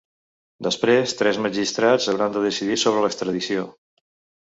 Després, tres magistrats hauran de decidir sobre l’extradició.